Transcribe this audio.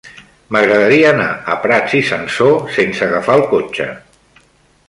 M'agradaria anar a Prats i Sansor sense agafar el cotxe.